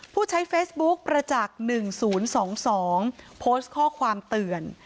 ผู้ใช้เฟซบุ๊คประจักษ์๑๐๒๒โพสต์ข้อความเตือน